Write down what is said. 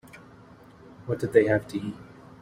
What did they have to eat?